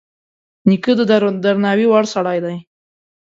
نیکه د درناوي وړ سړی وي.